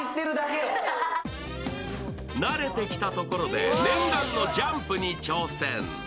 慣れてきたところで念願のジャンプに挑戦。